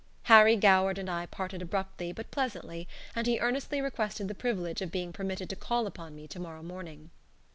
Harry Goward and I parted abruptly but pleasantly, and he earnestly requested the privilege of being permitted to call upon me to morrow morning.